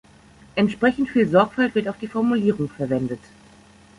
Entsprechend viel Sorgfalt wird auf die Formulierung verwendet.